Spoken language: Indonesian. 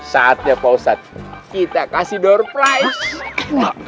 saatnya pak ustaz kita kasih door prize